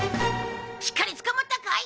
しっかりつかまったかい？